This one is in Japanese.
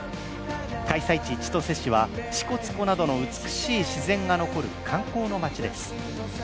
開催地・千歳市は支笏湖などの美しい自然が残る観光のまちです。